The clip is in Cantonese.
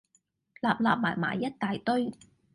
擸擸埋埋一大堆